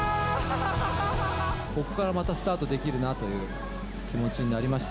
ここからまたスタートできるなという気持ちになりました。